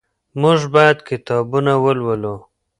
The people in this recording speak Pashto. موږ باید کتابونه ولولو.